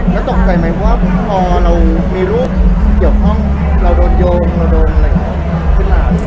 แล้วตกใจไหมว่าพอเรามีรูปเกี่ยวข้องเราโดนโยงเราโดนอะไรขึ้นหรือ